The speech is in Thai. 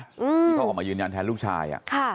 ที่เขาออกมายืนยันแทนลูกชาย